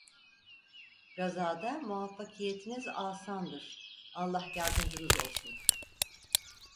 Gazada muvaffakiyetiniz âsândır, Allah yardımcınız olsun!